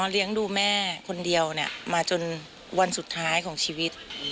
เลี้ยงดูแม่คนเดียวมาจนวันสุดท้ายของชีวิต